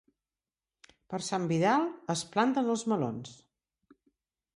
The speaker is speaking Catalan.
Per Sant Vidal es planten els melons.